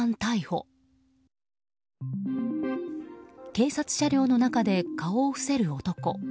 警察車両の中で顔を伏せる男。